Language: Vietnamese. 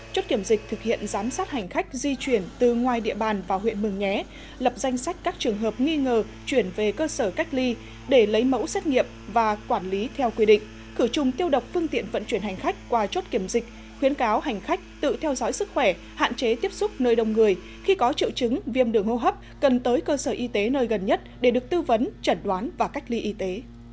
chốt kiểm dịch thực hiện giám sát hành khách di chuyển từ ngoài địa bàn vào huyện mường nhé lập danh sách các trường hợp nghi ngờ chuyển về cơ sở cách ly để lấy mẫu xét nghiệm và quản lý theo quy định khử trùng tiêu độc phương tiện vận chuyển hành khách qua chốt kiểm dịch khuyến cáo hành khách tự theo dõi sức khỏe hạn chế tiếp xúc nơi đông người khi có triệu chứng viêm đường hô hấp cần tới cơ sở y tế nơi gần nhất để được tư vấn chẩn đoán và cách ly y tế